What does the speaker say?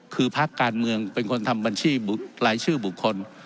คือพักการเมืองเป็นคนทำบัญชีรายชื่อบุคคล